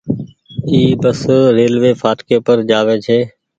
اي بس ريلوي ڦآٽڪي پر جآوي ڇي۔